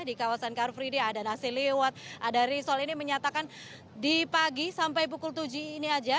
di kawasan car free day ada nasi liwet ada risol ini menyatakan di pagi sampai pukul tujuh ini aja